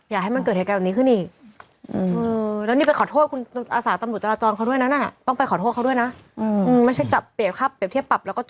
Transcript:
อยากให้มันเกิดเหตุการณ์แบบนี้ขึ้นอีก